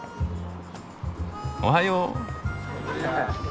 おはよう。